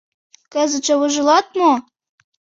— Кызытше вожылат мо?